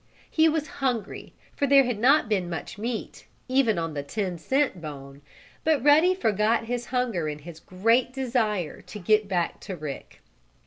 He was hungry, for there had not been much meat, even on the ten cent bone, but Ruddy forgot his hunger in his great desire to get back to Rick.